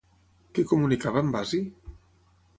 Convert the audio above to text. Què comunicava en Basi?